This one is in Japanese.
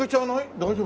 大丈夫？